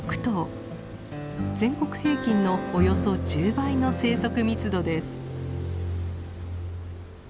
全国平均のおよそ１０倍の生息密度です。